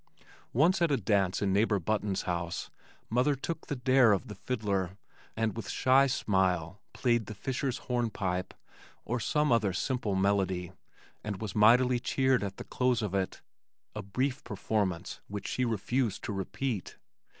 Once at a dance in neighbor Button's house, mother took the "dare" of the fiddler and with shy smile played The Fisher's Hornpipe or some other simple melody and was mightily cheered at the close of it, a brief performance which she refused to repeat.